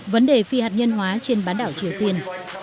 vấn đề phi hạt nhân hóa trên bán đảo triều tiên